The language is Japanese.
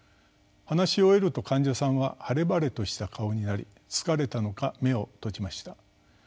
話し終えると患者さんは晴れ晴れとした顔になり疲れたのか目を閉じました。